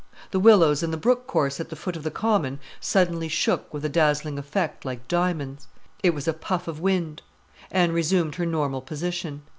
The willows in the brook course at the foot of the common suddenly shook with a dazzling effect like diamonds. It was a puff of wind. Anne resumed her normal position.